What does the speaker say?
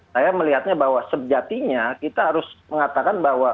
saya melihatnya bahwa sejatinya kita harus mengatakan bahwa